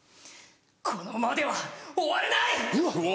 「このままでは終われない！」。